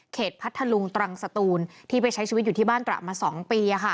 พัทธลุงตรังสตูนที่ไปใช้ชีวิตอยู่ที่บ้านตระมา๒ปี